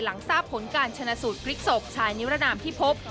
หลังทราบผลการชนะสูตรพลิกศพชายนิรนามที่พบ